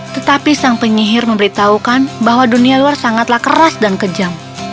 tetapi sang penyihir memberitahukan bahwa dunia luar sangatlah keras dan kejam